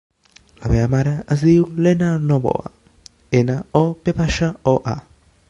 La meva mare es diu Lena Novoa: ena, o, ve baixa, o, a.